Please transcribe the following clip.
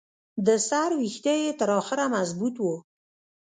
د سر ویښته یې تر اخره مضبوط وو.